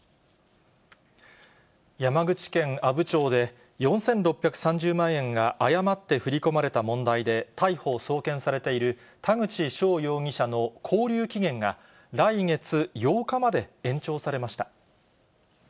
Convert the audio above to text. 山口県阿武町で、４６３０万円が誤って振り込まれた問題で、逮捕・送検されている田口翔容疑者の勾留期限が、来月８日まで延長されました。